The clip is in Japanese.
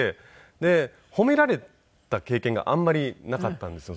で褒められた経験があんまりなかったんですよ